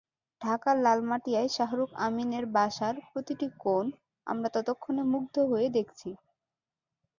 ঢাকার লালমাটিয়ায় শাহরুখ আমিনের বাসার প্রতিটি কোণ আমরা ততক্ষণে মুগ্ধ হয়ে দেখছি।